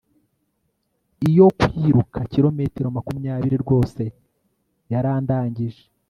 Iyo kwiruka kilometero makumyabiri rwose yarandangije